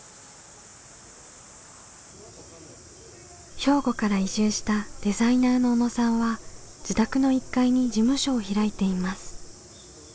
兵庫から移住したデザイナーの小野さんは自宅の１階に事務所を開いています。